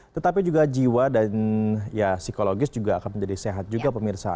tetapi juga jiwa dan ya psikologis juga akan menjadi sehat juga pemirsa